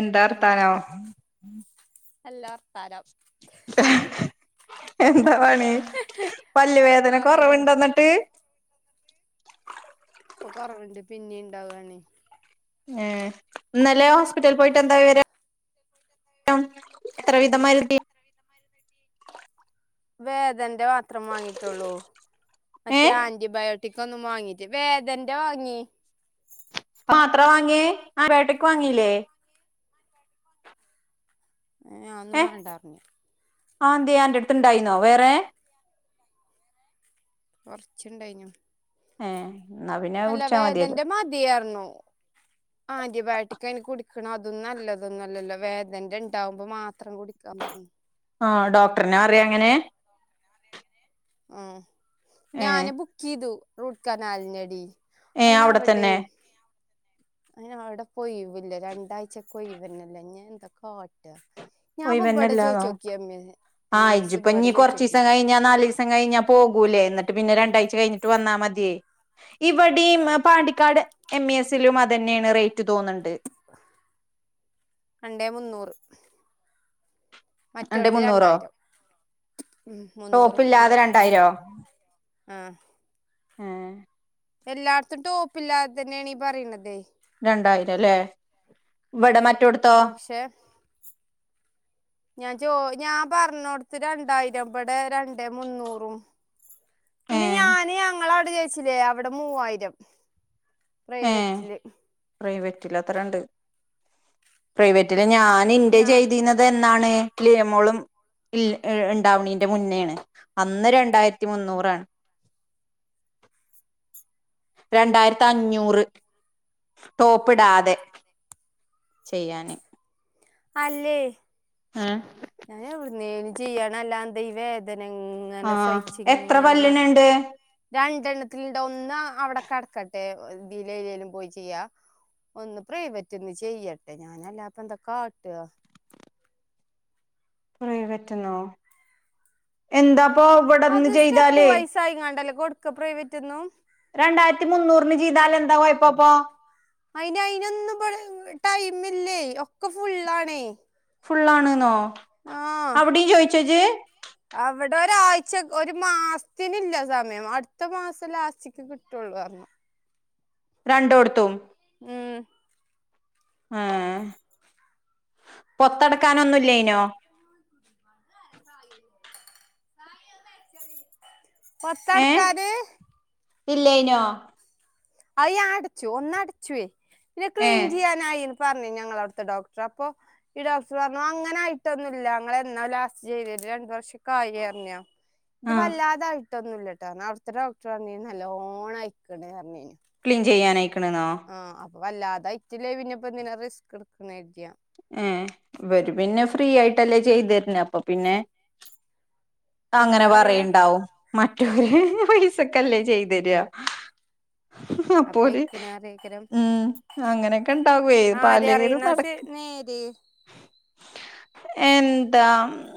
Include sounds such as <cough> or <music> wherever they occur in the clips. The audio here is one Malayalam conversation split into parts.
എന്താർത്താനം? എല്ലാ <unintelligible> എന്താ പണി പല്ല് വേദന കൊറവ് പറയ് ഒണ്ടോ അന്നിട്ട്? ഇപ്പ കൊറവണ്ട് പിന്നെ ഇണ്ടാവു ആണേ എഹ് ഇന്നലെ ഹോസ്പിറ്റലിൽ പോയിട്ട് എന്താ വിവരം? <unintelligible> ഹലോ എത്ര വീതംമാതിര് വേദന്റെ മാത്രം വാങ്ങിയിട്ട് ഒള്ളൂ മറ്റേ ഏഹ് ആന്റിബയോട്ട കുട്ടിക്ക് ഒന്നും വാങ്ങീട്ട് വേദന്റെ വാങ്ങി പാത്ര വാങ്ങിയെ ആരാട്ടിക് വാങ്ങീല്ലേ? ഏഹ് ആന്നും വെണ്ടാർഞ് അന്തെ അന്റെ അടുത്ത് ഇണ്ടായിരുന്നോ വേറെ? കൊറച്ച് ഇണ്ടായിഞ്ഞു. ഏഹ് എന്നാ പിന്നെ അത് കുടിച്ച മതി അല്ലോ <inaudible> ആന്റിബയോട്ടിക്ക് അതിന് കുടിക്കണം അതന്നും നല്ലതൊന്ന അല്ലല്ലോ വേദന രണ്ടാാവുമ്പോ മാത്രം കുടിക്കാ ബർ ആ ഡോക്ടറിനാ അറിയാം എങ്ങനെ ആ ഏഹ് ഞാന ബുക്ക് ചെയ്തു റൂട്ട് കനാലിിനടി ഏഹ് അയിന അവിടെ അവിടെേ തന്നെ അവിടെ ഒയിവില്ല രണ്ടാഴ്ചക്കെ ഒയിവന്നല്ലേ ഞൻ എന്താ കാട്ട് ഒയിവന്നല്ലാന്നോ ആ എം എസ് ഇജിപ്പ ഇബടെ ഇ കൊറച്ച ചോയിച്ചോക്കി ദിവസം കഴിഞ്ഞ നാല് ദിവസ ം കഴിഞ്ഞാ പോകൂലേ എന്നിട്ട് പിന്ന രണ്ടാ് കഴിഞ്ഞിട്ട് വന്നാൽ മതിേ ഇവിടെയും പാണ്ടിക്കാട് എം എ എസിലും അത്ന്നെയാണ് റേറ്റ് തോന്നണ്ട് രണ്ടേ മുന്നൂറ് രണ്ട് മറ്റടുത്ത് മുന്നൂറോ രണ്ടായിരം ടോപ്പ് ഇല്ലാതെ മുന്നൂറുപ്പ്യേറെ ഇത്ണ്ട് രണ്ടായിരോ ആ ഏ എല്ലാർത്തും ടോപ്പില്ലാതെ തന്നെയാണ്ീ പറയണതെ രണ്ടായിരം അല്ലേ ഇവിടെ മറ്റ പക്ഷെ ഞാൻ ജോ ഞാൻ പറഞ്ഞ കൊടുത്ത് രണ്ടായിരം ഇ ഇടെ രണ്ടേ മുന്നൂറും ഏ പിന്നെ ഞാന് ഞങ്ങള അവിടെ ജയിച്ചില്ലേ അവിടെ മൂവായിരം ഏ പ്രൈവറ്റില് പ്രൈവറ്റിൽ അത്ര ഉണ്ട് പ്രൈവറ്റില് ഞാൻ ഇന്റെ ഞാ ചെയ്തിുന്നത് എന്താണ് കലിയമോളും ഇ ഉണ്ടാവണീറെ മുന്നോണ് അന്ന് രണ്ടായിരത്തി മുന്നൂറാണ് രണ്ടായിരത്തി അഞ്ഞൂ നൂറ് ടോപ്പിടാതെ ചെയ്യാന് അല്ലേ ആഹ ഞാനൻ എവിടുന്നേന് ചെയ്യണ അല്ലാന്തൈവ ഏത ആ ങ്ങനെ സച്ച എത്ര ഇങ്ങനെ നടക്ക പല്ലിനുണ്ട് എ എണ്ണത്തിലിണ്ട് ഒന്ന് അവിടെ കിടക്കട്ടെ ഇത്തിലെലും പോയി ചെയ്യാ ഒന്ന് പ്രൈവറ്റ് ഒന്ന് ചെയ്യട്ടെ ഞാനല്ല അപ്പൊ എന്താ കാട്ട പ്രിവറ്റുന്നോ എന്താപ്പൊ ഇവിടെന്ന് അത് സ്റ്റെപ്പ് ചെയ്താലേ വൈസ് ആയിങ്ങാണ്ടല്ലേ കൊടുക്ക പ്രൈവറ്റ്ന്നും രണ്ടായിരത്തി മുന്നൂറിന് ജീതാൽ എന്താ കൊയപ്പോപ്പോ അയിന് അയിനൊന്നും ടൈമ ഇില്ലേ ഒക്കെ ഫുള്ളാണേ ഫുൾ ആാണ്െന്നോ ആഹ ച്ചജ അവിടെ ഒരാഴ്ച ഒരു മാസത്തിനില്ല സമയം അടുത്ത മാസം ലാച്ചക്ക് കിട്ടുള്ളൂ <inaudible> രണ്ടോട്ത്തും ഉം ആഹ് പൊത്തടക്കാനൊ ഒന്നുല്ലേയ് നോ <inaudible> പത്താട്ക്കാര് ഇല്ലേയ്നോ അയി ഞാ അട്ച്ചു ഒന്നട് ച്വേ പിന്നെ ഏ ക്ലീൻ ചെയ്യാനായി പറഞ്ഞ ഞങ്ങള അവിടുത്തെ ഡോക്ടർ അപ്പറ്ഞ്ഞ് ഞങ്ങളഉട്ത്തെ ഡോക്ടർ അപ്പൊ ഇഡോക്ട് പറഞ്ഞു അങ്ങനെ ആയിട്ടൊന്നുല്ല ഇങ്ങളെ ഇങ്ങളെ എന്നാ ലാസ്റ്റ് ചെയ്തി രണ്ട് വർഷിക്കായിനിയറ്ഞ് ഞാ ഇത് ആ വല്ലാതായിട്ടൊന്നുല്ലട്ടൊ ന്നൗട് ത്തെ ഡോക്ട്ർ പറഞ്ഞീനി നല്ലോണ്ണം അയിക്ക്ണ് പറഞ്ഞിനി ക്ലീൻ ചെയ്യാനയിക്ക്ണ്ന്നോ വല്ലാതെ ഐറ്റില്ലേ പിന്നെപ്പെന്തിന റിസ്ക് ഇട് ക്ക്‌ ണേർതി ഞാ ഏ... ഇവര് പിന്നെ ഫ്രീ ആയിട്ടല്ലേ ചെയ്തു തരുന്നെ, അപ്പൊ പിന്നെ... അങ്ങനെ പറയിണ്ടാവും മ.... ഹ് ഹ് ഹ് പൈസക്കല്ലേ ചെയ്തര ഹ്ഹ.. അപ്പൊ അപ്പോല് അയക്കണ അറിയിക്കരം ഉം അങ്ങനെയൊക്കെ ഇണ്ടാവേ പലേതും നടക്കും എന്തേ... എന്താ <unintelligible>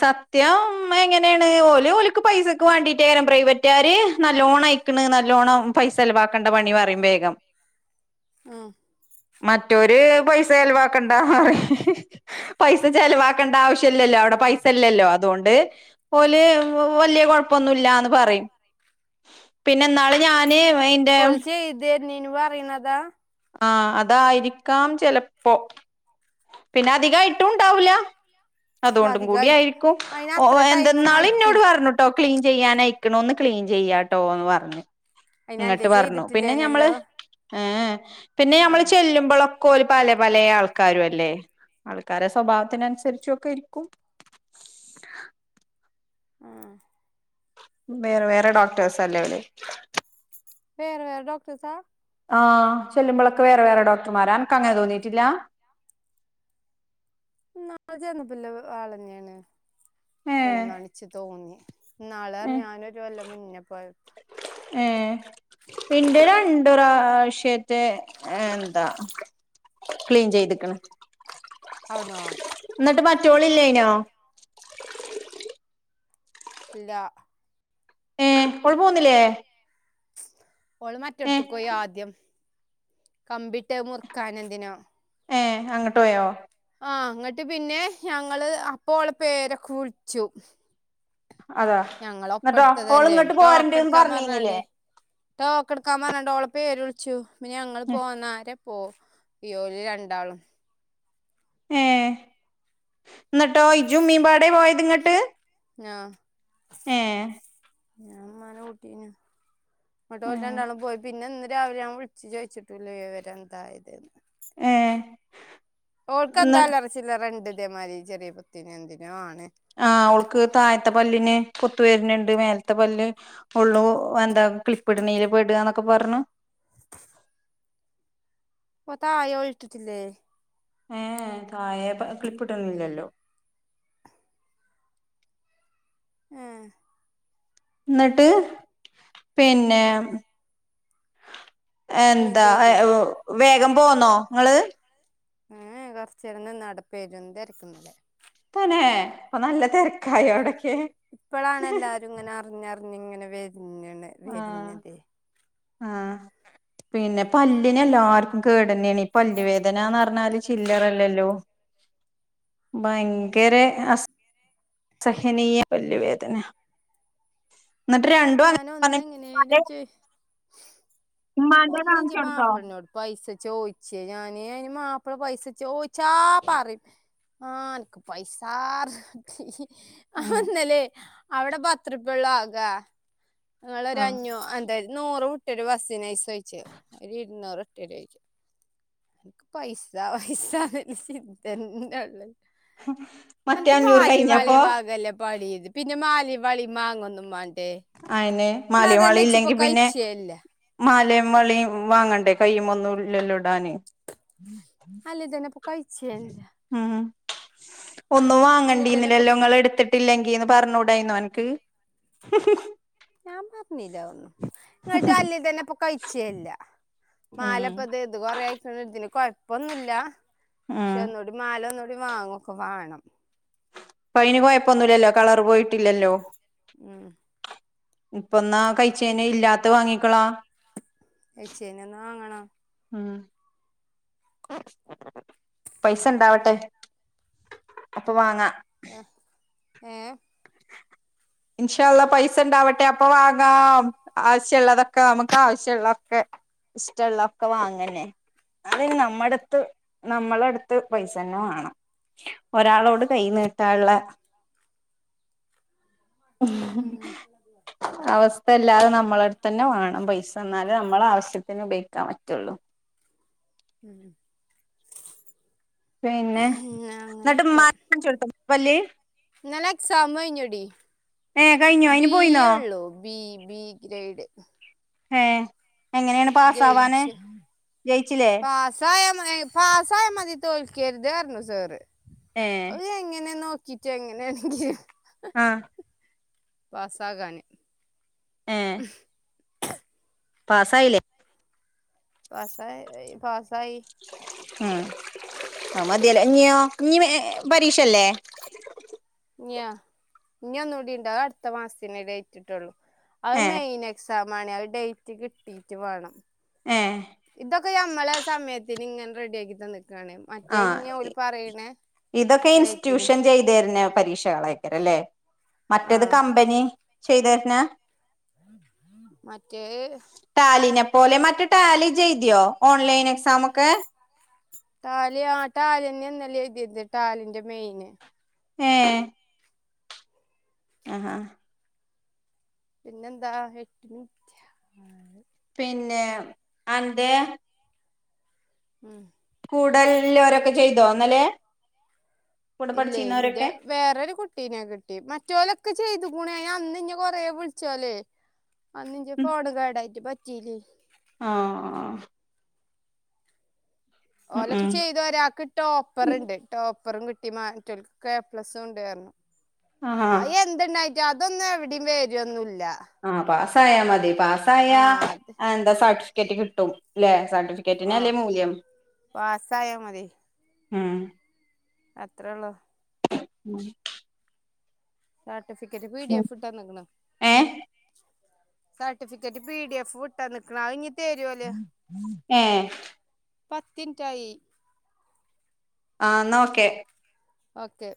സത്യം എങ്ങനെയാണ് ഓല് ഓല്ക്ക് പൈസക്ക് വേണ്ടിട്ടാണ് പ്രൈവറ്റ്കാര് ഏയ് നല്ലോണം അയിക്കണ് നല്ലോണ്ണം പൈസ ചെലവാക്കേണ്ട പണി പറിം വേഗം ഉം... മറ്റോര് പൈസ ചെലവാക്കണ്ടാ ഹ.. ഹ... ഹ് പൈസ ചെലവാ.... ആക്കേണ്ട ആവശ്യല്ലല്ലോ. അവിടെ പൈസയില്ലല്ലോ അതോണ്ട് ഓല് വ.. വല്യ കുഴപ്പൊന്നുല്ലാന്ന് പറയും. പിന്ന... ന്നാള്.. ഞാന്.... <unintelligible> നിനു പറിണതാ... ആ അതായിരിക്കാം ചെലപ്പോ, പിന്നെ അധികം ആയിട്ടും ഉണ്ടാവൂല. അതുകൊണ്ടും കൂടി അധികമായിട്ട് ആയിരിക്കും അതിന് ഓ അത്ര ടൈമൊന്നും എന്തെന്നാള് ഇന്നോട് ആയിട്ടില്ല പറഞ്ഞൂട്ടോ ക്ലീൻ ചെയ്യാൻ ആയിക്കണു. ഒന്ന് ക്ലീൻ ചെയ്യാട്ടോ, എന്ന് പറഞ്ഞ്. അയിന് അന്റെ ഇങ്ങട്ട് പറഞ്ഞു പിന്നെ ഞമ്മള് ചെയ്തിട്ടില്ലേനല്ലോ ഏ... പിന്നെ ഞമ്മൾ ആഹ് ചെല്ലുമ്പൊളൊ <unintelligible> ക്കെ ഓൽ പല പലേ ആൾക്കാരും അല്ലേ. ആൾക്കാരെ സ്വഭാവത്തിനനുസരിച്ചും ഒക്കെ ഇരിക്കും. <inaudible> ആ വേറെ വേറെ ഡോക്ടേഴസ് അല്ലേ ഇവടെ വേറെ വേറെ ഡോക്ടേഴ്സാ ആ ചെല്ലുമ്പോളൊക്കെ വേറെ വേറെ ഡോക്ടർമാരാ അനക്ക് അങ്ങനെ തോന്നിട്ടില്ലാ ഇന്നാള് ചെന്നപ്പോള്ള ആളന്നെയാണ് ഏ ഇപ്പോളുന്ന്ച്ച് തോന്നി. ഇന്നാള് ഏ ഞാനൊരു കൊല്ലം മുന്നേ പോയ... ഏ... എന്റെ രണ്ട് പ്രാവശ്യറ്റെ യെ.. എന്താ ക്ലീൻ ചെയ്തക്കണ് ഔടുന്നോ... എന്നിട്ട് മറ്റോളില്യേ ന്നോ ഇല്ല ഏ കൊഴപ്പൊന്നുല്ലേ ഓള് മറ്റടുത്തക്ക് പോയി ആദ്യം. കമ്പിട്ട് മുറു ക്കാന് എന്തിനോ. ഏ... അങ്ങൊട്ട് പോയോ ആ അങ്ങട്ട് പിന്നെ ഞങ്ങള് അപ്പം ഓള പേരൊക്കെ വിളിച്ചു അതാ എന്നട്ടോ ഓൾ ഞങ്ങളൊപ്പട്ത്തതല്ലേ ഇങ്ങോട്ട് പോരണ്ടന്ന് പറഞ്ഞിരുന്നില്ലേ ടോക്കടുക്കാൻ പറഞ്ഞിട്ട് ഓളെ പേര് വിളിച്ചു. പിന്നെ ഞങ്ങൾ പോന്നാരെ... പ്പൊ ഓര് രണ്ടാളും ഏ എന്നിട്ടോ ഇജും മ്മിമ്പാടെ പോയത് ഇങ്ങട്ട് ആ... യേ.. ഞാൻ മ്മാനെ കൂട്ടീന്ന് ഇന്നിട്ട് ഓല് രണ്ടാളും പോയി പിന്നെ ഇന്ന്... രാവിലെ ഞാൻ വിളിച്ചു ചോയിച്ചിട്ടല്ലേ വിവരന്തായത് <inaudible> ഏ ഓൾക്ക് എന്താ എന്നി അല്ലറ ചില്ലറണ്ട് ഇന്റെ മാരി ചെറിയ <unintelligible> എന്തിനോ ആണ് ആ ഓൾക്ക് താഴത്തെ പല്ലിന് കുത്ത്... പ്പോ വര്ന്ന്ണ്ട് മേലത്തെ പല്ല്. ഉള്ളൂ എന്താ ക്ലിപ്പിടിണീൽ പെടാന്നൊക്കെ പറഞ്ഞു <inaudible> പ്പൊ തായൊ ഇട്ടിട്ടില്ലേ ഏ.. യേ... തായെ ഭാഗം ക്ലിപ്പിടുന്നില്ലല്ലോ ഏഹ് ന്നട്ട് പിന്നെ ക്ലീൻ എന്താ ചെയ്തില്ല ഏവോ വേഗം പോന്നോ ങ്ങള് ഏ എ കൊറചേരം നിന്ന് അടെ പെരുന്തെരക്കിന്നലെ തന്നെ അപ്പൊ നല്ല തെരക്കായോ ടെ ഇപ്പളാണ് എല്ലാരും ഇങ്ങനെ അറിഞ്ഞറിഞ്ഞിങ്ങനെ വരുന്ന്ണ് ആഹ് വരുന്നതേ ആഹ് പിന്നെ പല്ലിനെല്ലാർക്കും കേടെന്നേ ണെ പല്ല് വേദാന്നറഞ്ഞാല് ചില്ലറല്ലല്ലോ ഭയങ്കരെ അസ് സഹനീയ പല്ലുവേദന ഞാനൊന്ന് എങ്ങനേലും ചെ ഉമ്മാന്റെ ഒന്നി ജ് കാണിച്ചോടുത്തോ മാപ്പൾന്നോട് പൈസ ചോയിച്ചേ ഞാന് അന് മാപ്പിള പൈസ ചോയ് ചാപ്പാറി ആഹ് അൻക്ക് പൈസാ ഹ് ഹ് ആ ഉം ഇന്നല്ലേ അവിടെ പത്രപ്പിളള ആക ങ്ങളൊര ആഹ് അഞ്ഞൂ എന്താ നൂറ് വിട്ടരു ബസ്സി നൈസ് ചോയ്ച്ച ഒരു ഇരുന്നൂറിട്ടരോ അൻക്ക് പൈസ പൈസ ന്ന് ള്ള ചിന്ത നൊ ള്ളു മറ്റേ അൻക്ക് അഞ്ഞൂറ് മാലെം വളി കഴിഞ്ഞപ്പോ വാകല്ല പാളി പിന്നെ മാലി വളി അയിന് മല്യോളി ഇല്ലെങ്കി പിന്നെ കഴിച്ചേല്ല മാലേം മളിം വാങ്ങണ്ടേ കയ്യുമ്മന്നുല്ലല്ലോ ഇടാന് അല്ലെക് തന്നെ കൈചൈന്താ ഒന്നു ഇപ്പൊ വാങ്ങണ്ടീന്നില്ലല്ലോങ്ങളെ ടുത്തിട്ടില്ലെങ്കിന്ന് പറഞ്ഞൂടേയിന്നോ അനക്ക് ഹ് ഹ് ഹ് ഞാൻ പറഞ്ഞില്ല അ ഒന്നും ഇങ്ങട്ട് അല്ലേ തന്നെപ്പൊ കൈച്ചേൻല്ല ഉം മാലെപ്പ ദേ ദ് കൊറെയായിച്ച് ഇപ്പൊന്നുല്ല ക്ഷെ ഉം ഒന്നുടി മാല ഒന്നോടി വാങ്ങൊക്കെ വാണം പൈനു പോയപ്പൊന്നുല്ലല്ലോ കളറ് പോയിട്ടില്ലല്ലോ ഉം ഇപ്പന്നാ കൈച്ചേന് ഇല്ലാത്ത വാങ്ങിക്കളാ എയ്ച്ചേനൊന്ന് വാങ്ങണം ഉം പൈസ ഇണ്ടാവട്ടെ അപ്പൊ വാങ്ങ ആഹ്ഏഹ് ഇൻഷാ അള്ള പൈസ ഇണ്ടാവട്ടെ അപ്പൊ വാങ്ങാം ആവശ്യള്ളതൊക്കെ നമുക്ക് ആവശ്യള്ളൊക്കെ ഇസ്ടള്ളാക്കെ വാങ്ങന്നെ അത് നമ്മടുത്ത് നമ്മളടുത്ത് പൈസ ന്നെ വേണം ഒരാളോട് കൈ നീട്ടാള്ള ഉം അവസ്ഥ ഇല്ലാതെ നമ്മളടുത്തന്നെ വേണം പൈസ ന്നാലേ നമ്മളാവശ്യത്തിന് ഉപയോഗിക്കാൻ പറ്റുള്ളൂ ഉം പിന്നെ എന്നിട്ട് അങ്ങനൊക്കെ മ പല്ലി ന്നല എക്സാമഴിഞ്ഞോടി ഏ കഴിഞ്ഞോ അയിന് ബി പോയിന്നോ ഉള്ളു ബി ബി ഗ്രേഡ് ഏ എങ്ങനെയാണ് പാസ്സാവാന് ജയിച്ചു ജയിച്ചില്ലേ പാസായ മതി തോൽക്കരുതർഞു സാറ് അത് ഏഹ് എങ്ങനെ നോ റ്റ എങ്ങനെയാണെങ്കി ആഹ് പാസാകാന് പാസായില്ലേ പസയി പാസായി ഉം മതിയല്ലേ ഇഞ്ഞോ ഇഞ്ഞി പരീക്ഷല്ലേ ഇഞ്ഞാ ഇനി ഒന്നുകൂടി ണ്ട് അഹ് അടുത്ത മാസത്തിന് ഡേറ്റ്ട്ടുള്ളു അത് ഏഹ് മെയ്‌നെക്- ക്സമാണ് അഹ് ഡേറ്റ് കിട്ടീട്ട് വേണം ഏഹ് ഇതൊക്കെ ഞമ്മളെ സമയത്തിനിങ്ങനെ റെഡിയാക്കിതന്നേക്ക് ആ ഇതൊക്കെ ഡേറ്റിന് ഇൻസ്റ്റിറ്റ്യൂഷൻ ചെയ്ത തരുന്ന പരീക്ഷകള രെല്ലേ മറ്റേത് ആഹ് കമ്പനി ചെയ്തരുന്ന മറ്റേ ടാലിനെ പോലെ മറ്റ ടാലി ചെയ്തിയോ ഓൺലൈൻ എക്സാമ ഒക്കെ റ്റാലി ആ ടാലിന്നെ എന്നല്ല എഴുതിയത് ടാലിൻന്റെ മെയിനെ ഹേ ആ ഹാ പിന്നെന്താ <unintelligible> പിന്നെ അന്റെ ഉം കൂടലോരൊക്കെ ചെയ്തോന്നല്ലേ ഇല്ലേ എന്റെ വേറൊരു കുട്ടീനാ കിട്ടി മറ്റോലൊക്കെ ചെയ്തു ഗുണന അന്ന്ഞ് കൊറേ വിളിച്ചല്ലേ അന്ന്ഞ്ച ഫോൺ കേടായിട്ട് പറ്റീലേ ആഹ് ഉം ഓലൊക്കെ ഉം ചെയ്തുവരാ ആക്ക് ടോപ്പറുണ്ട് ടോപ്പ അപ്പുറം കിട്ടി മറ്റോൽകൊക്കെ എ പ്ലസും ഉണ്ട് ആർഞ് ആഹ് അഹ് എന്തുണ്ടായി അതൊന്നും എവിടയും വരൊന്നുല്ല ആപാസ്സായാ മതി പാസ്സായ ആ അത് എന്താ സർട്ടിഫിക്കറ്റ് കിട്ടുംല്ലെ ആ സർട്ടിഫിക്കറ്റിനല്ലേ മൂല്യം പാസ്സായാ മതി ഉം അത്രേ ഉള്ളൂ ഉം സർട്ടിഫിക്കറ്റ് പി ഡി എഫ് ഇട്ടന്നെക്ണ് ഏഹ് സർട്ടിഫിക്കറ്റ് പി ഡി എഫ് വിട്ടന്ന്ക്ണ ആഹ് ഞ്ഞി ഹേ പത്ത്ഇൻറ്റായി ആനോക്കെ ഓക്കെ